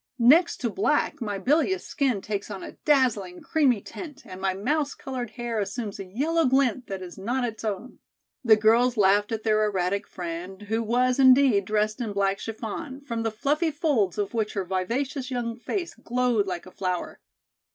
Next to black my bilious skin takes on a dazzling, creamy tint and my mouse colored hair assumes a yellow glint that is not its own." The girls laughed at their erratic friend, who was, indeed, dressed in black chiffon, from the fluffy folds of which her vivacious young face glowed like a flower.